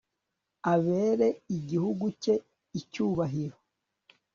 abere igihugu cye icyubahiro